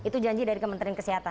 itu janji dari kementerian kesehatan